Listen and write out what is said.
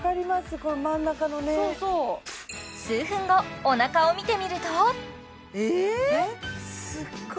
この真ん中のね数分後お腹を見てみるとえっすっごい